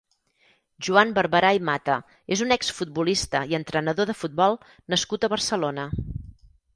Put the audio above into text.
Joan Barbarà i Mata és un exfutbolista i entrenador de futbol nascut a Barcelona.